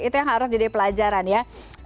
itu yang harus jadi pelajaran ya